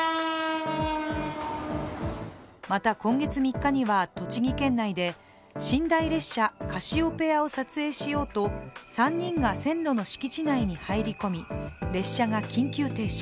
また今月３日には、栃木県内で寝台列車カシオペアを撮影しようと、３人が線路の敷地内に入り込み、列車が緊急停止。